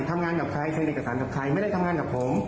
ทำงานกับใครใช้วิธีนักศึกษาลไม่ได้ทำงานกับผม